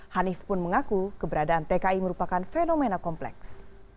hanif pun mengaku keberadaan tki merupakan fenomena kompleks